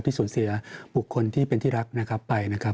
สูญเสียบุคคลที่เป็นที่รักนะครับไปนะครับ